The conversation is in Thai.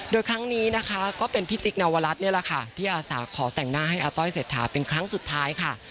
โดยครั้งนี้นะคะก็เป็นพี่จิ๊กนวรัฐนี่แหละค่ะที่อาสาขอแต่งหน้าให้อาต้อยเศรษฐาเป็นครั้งสุดท้ายค่ะ